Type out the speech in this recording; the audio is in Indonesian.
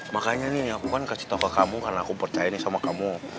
makanya nih aku kan kasih tau ke kamu karena aku percaya nih sama kamu